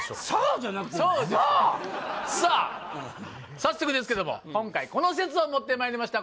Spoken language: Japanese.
早速ですけども今回この説を持ってまいりました